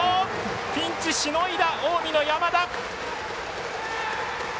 ピンチしのいだ、近江の山田。